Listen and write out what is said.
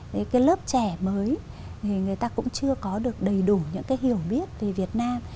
thế cái lớp trẻ mới thì người ta cũng chưa có được đầy đủ những cái hiểu biết về việt nam